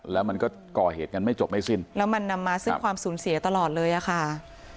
แล้วมันก็ก่อเหตุกันไม่จบไม่สิ้นแล้วมันนำมาซึ่งความสูญเสียตลอดเลยอะค่ะ